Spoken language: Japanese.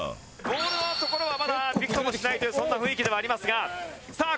ボールのところはまだびくともしないというそんな雰囲気ではありますがさあ